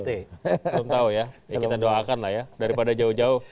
belum tahu ya yang kita doakan lah ya daripada jauh jauh